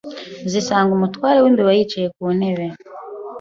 zisanga umutware w'imbeba yicaye ku ntebe